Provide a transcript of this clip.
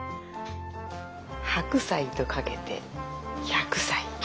「白菜」とかけて「１００歳」。